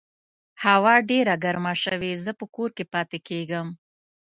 هوا ډېره ګرمه شوې، زه په کور کې پاتې کیږم